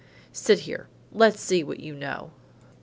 "Sit here. Let's see what you know."